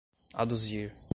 aduzir